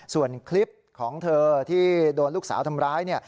ส่วนคลิปของเธอที่โดนลูกสาวทำร้าย